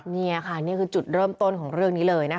นี่ค่ะนี่คือจุดเริ่มต้นของเรื่องนี้เลยนะคะ